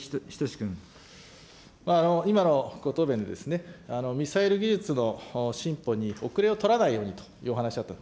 今のご答弁で、ミサイル技術の進歩に後れを取らないようというお話しました。